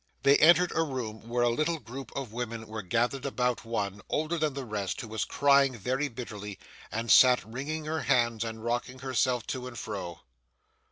They entered a room where a little group of women were gathered about one, older than the rest, who was crying very bitterly, and sat wringing her hands and rocking herself to and fro.